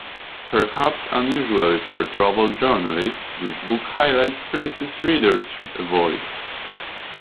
Perhaps unusually for a travel journalist, this book highlights places readers should avoid.